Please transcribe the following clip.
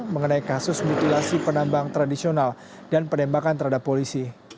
mengenai kasus mutilasi penambang tradisional dan penembakan terhadap polisi